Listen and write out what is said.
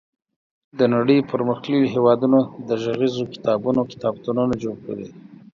د نړۍ پرمختللي هېوادونو د غږیزو کتابونو کتابتونونه جوړ کړي دي.